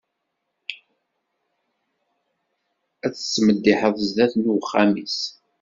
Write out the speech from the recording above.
Ad tmeddiḥen sdat n uxxam-is.